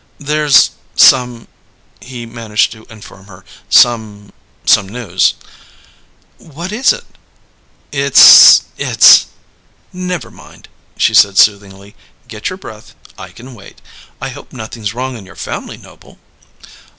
"There's some," he managed to inform her. "Some some news." "What is it?" "It's it's " "Never mind," she said soothingly. "Get your breath; I can wait. I hope nothing's wrong in your family, Noble."